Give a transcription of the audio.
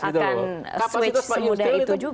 akan switch semudah itu juga